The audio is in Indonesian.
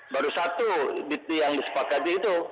baru satu yang disepakati itu